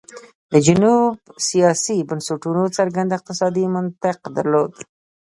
د جنوب سیاسي بنسټونو څرګند اقتصادي منطق درلود.